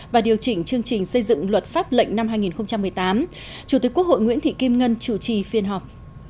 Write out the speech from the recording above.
và điều chỉnh chương trình xây dựng luật pháp lệnh năm hai nghìn một mươi tám chủ tịch quốc hội nguyễn thị kim ngân chủ trì phiên họp